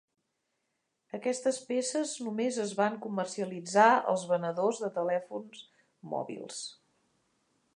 Aquestes peces només es van comercialitzar als venedors de telèfons mòbils.